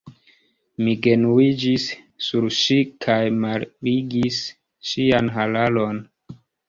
Mi genuiĝis sur ŝi kaj malligis ŝian hararon.